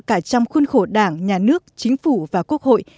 cả trong khuôn khổ đảng nhà nước chính phủ và quốc hội